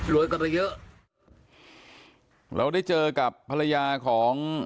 เราได้เจอกับภรรยาของ